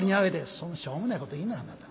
「そんなしょうもないこと言いなはんなあんた。